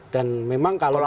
dan memang kalau saya